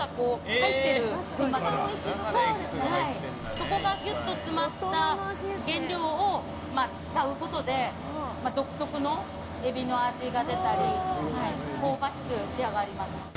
そこがギュッと詰まった原料を使うことで独特のエビの味が出たり香ばしく仕上がります。